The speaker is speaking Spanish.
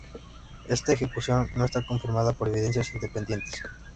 Esta ejecución no está confirmada por evidencias independientes.